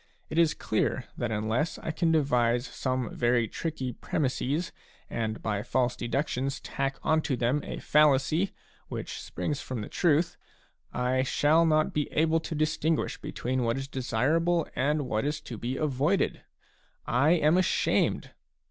It is clear that unless I can devise some very tricky premisses and by false deductions tack on to them a fallacy which springs from the truth, I shall not be able to distinguish between what is desirable and what is to be avoided ! I am ashamed